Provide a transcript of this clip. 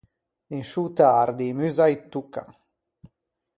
In sciô tardi i muzai toccan.